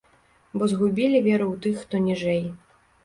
Бо згубілі веру ў тых, хто ніжэй.